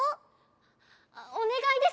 おねがいです。